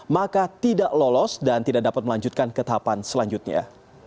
maka tidak lolos dan tidak dapat melanjutkan ke tahapan selanjutnya